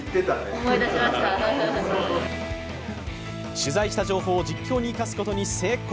取材した情報を実況に生かすことに成功。